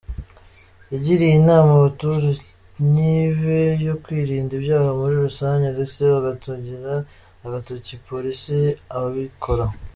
" Yagiriye inama abaturanyi be yo kwirinda ibyaha muri rusange, ndetse bagatungira agatoki Polisi ababikora.